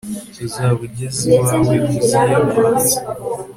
uzaba ugeze iwawe uziyamanze